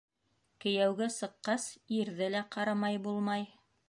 Кейәүгә сыҡҡас, ирҙе лә ҡарамай булмай.